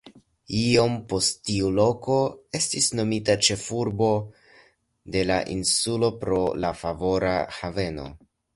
Iom poste tiu loko estis nomita ĉefurbo de la insulo pro la favora haveno.